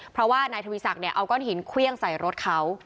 เพราะว่านายทวีศักดิ์เอาก้อนหินเครื่องใส่รถเขา